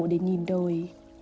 để nhìn đời